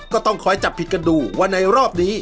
ก็ต้องคอยจับผิดกันดูว่าในรอบนี้